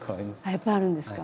やっぱりあるんですか。